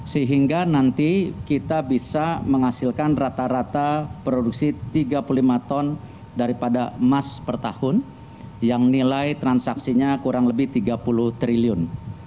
sehingga nanti kita bisa menghasilkan rata rata produksi tiga puluh lima ton daripada emas per tahun yang nilai transaksinya kurang lebih tiga puluh triliun